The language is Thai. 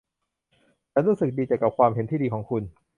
ฉันรู้สึกดีใจกับความคิดเห็นที่ดีของคุณ